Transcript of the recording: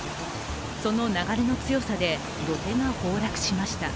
その流れの強さで土手が崩落しました。